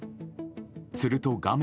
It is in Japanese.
すると画面